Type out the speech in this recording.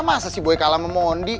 masa si boy kalah sama mondi